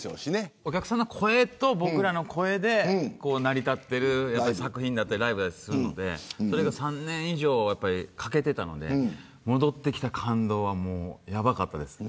お客さんの声と僕らの声で成り立っている作品だったりライブだったりするのでそれが３年以上欠けていたので戻ってきた感動がやばかったです。